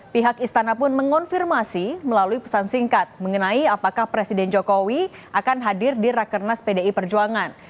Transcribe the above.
pihak istana pun mengonfirmasi melalui pesan singkat mengenai apakah presiden jokowi akan hadir di rakernas pdi perjuangan